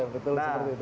betul seperti itu